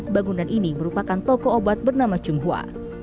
bangunan ini merupakan toko obat bernama tionghoa